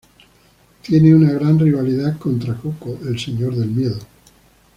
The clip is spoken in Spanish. Tiene una gran rivalidad contra Coco, el Señor del Miedo.